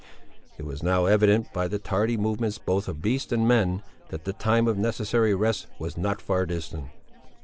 It was now evident, by the tardy movements both of beasts and men, that the time of necessary rest was not far distant.